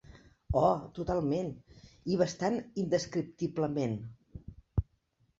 Oh, totalment, i bastant indescriptiblement.